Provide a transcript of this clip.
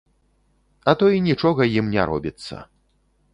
А то і нічога ім не робіцца.